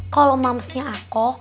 kalau mamsnya aku